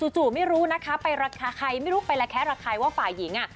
จู่ไม่รู้นะคะไปรักใครไม่รู้ไปรักแค้นรักใครว่าฝ่ายหญิงอะ